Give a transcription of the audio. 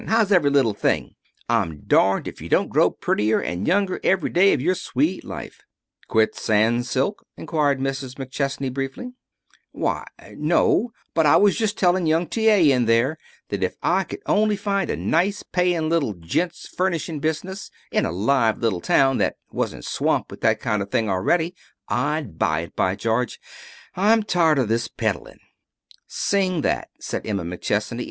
How's every little thing? I'm darned if you don't grow prettier and younger every day of your sweet life." "Quit Sans silks?" inquired Mrs. McChesney briefly. [Illustration: "'Honestly. I'd wear it myself!'"] "Why no. But I was just telling young T. A. in there that if I could only find a nice, paying little gents' furnishing business in a live little town that wasn't swamped with that kind of thing already I'd buy it, by George! I'm tired of this peddling." "Sing that," said Emma McChesney.